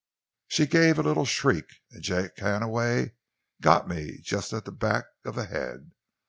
She gave a little shriek, and Jake Hannaway got me just at the back of the head.